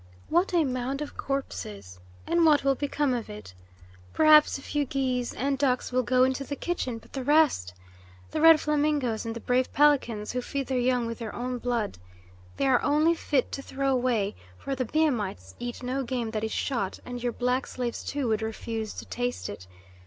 What a mound of corpses! And what will become of it? Perhaps a few geese and ducks will go into the kitchen; but the rest the red flamingoes and the brave pelicans who feed their young with their own blood? They are only fit to throw away, for the Biamites eat no game that is shot, and your black slaves, too, would refuse to taste it.